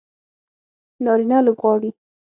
نارینه لوبغاړي